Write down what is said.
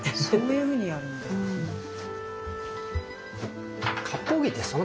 そういうふうにやるんだ。